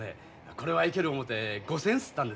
これはいける思て５，０００刷ったんですわ。